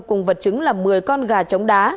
cùng vật chứng là một mươi con gà chống đá